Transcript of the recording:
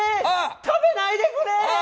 食べないでくれ！